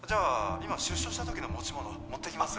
今出所した時の持ち物持ってきます